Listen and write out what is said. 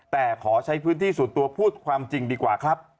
แต่ขอใช้พื้นที่ส่วนตัวพูดความจริงดีกว่าครับ